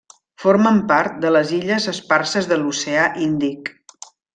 Formen part de les Illes Esparses de l'Oceà Índic.